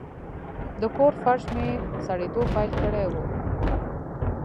د کور فرش مې سړېدو پیل کړی و.